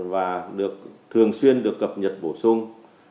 và được thường xuyên được cập nhật bổ sung